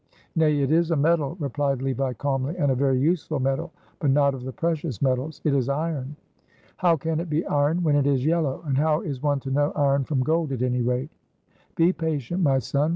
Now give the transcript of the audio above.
"Nay, it is a metal," replied Levi, calmly, "and a very useful metal, but not of the precious metals. It is iron." "How can it be iron when it is yellow? And how is one to know iron from gold, at any rate?" "Be patient, my son."